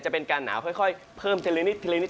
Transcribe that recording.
จะเป็นการหนาวค่อยเพิ่มเทลนิด